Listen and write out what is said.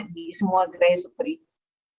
di semua gerai seperti itu